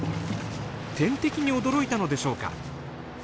天敵に驚いたのでしょうか。